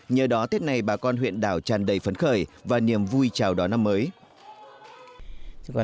nhờ đó tết này bà con huyện đảo tràn đầy phấn khởi và niềm vui chào đón năm mới